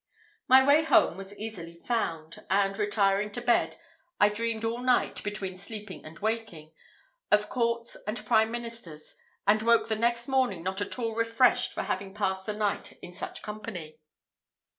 My way home was easily found; and retiring to bed, I dreamed all night, between sleeping and waking, of courts and prime ministers, and woke the next morning not at all refreshed for having passed the night in such company.